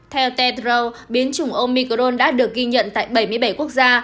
theo tedrow biến chủng omicron đã được ghi nhận tại bảy mươi bảy quốc gia